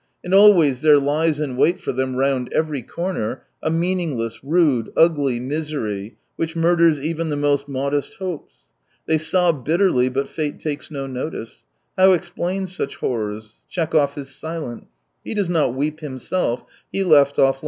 And always there Jies in wait for them round every corner a meaningless, rude, ugly misery which murders even the most modest hopes. They sob bitterly, but fate takes no notice. How explain such horrors ? Tchekhov is silent. He does not weep himself — he left of?